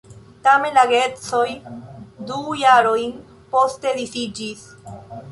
Tamen la geedzoj du jarojn poste disiĝis.